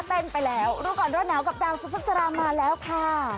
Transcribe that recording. เต้นไปแล้วลูกอ่อนรถหนาวกับดาวสุขสรามมาแล้วค่ะ